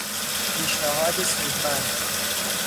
پیشنهاد سودمند